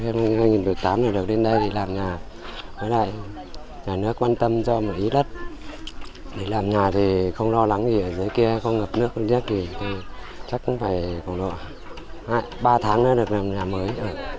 năm hai nghìn một mươi tám khi được đến đây làm nhà với lại nhà nước quan tâm cho một ít đất làm nhà thì không lo lắng gì ở dưới kia không ngập nước chắc cũng phải còn lọa ba tháng nữa được làm nhà mới